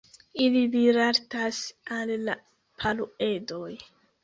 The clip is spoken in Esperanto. Ili rilatas al la Paruedoj.